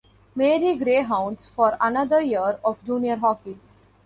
Marie Greyhounds for another year of junior hockey.